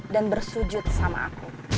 dan bersujud sama aku